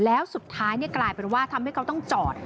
แล้วสุดท้ายกลายเป็นว่าทำให้เขาต้องจอด